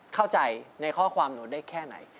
เข้าใจในข้อความหนูได้แค่ไหน